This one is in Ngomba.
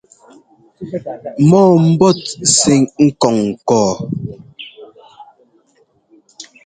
Mɔ́ɔ mbɔ́t sɛ́ ŋ́kɔ́ŋ ŋkɔɔ.